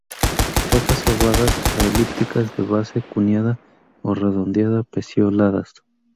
Hojas ovadas a elípticas, de base cuneada a redondeada, pecioladas.